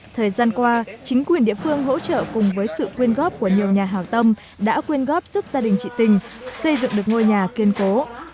thời gian qua chính quyền địa phương hỗ trợ cùng với sự quyên góp của nhiều nhà hào tâm đã quyên góp giúp gia đình chị tình xây dựng được ngôi nhà kiên cố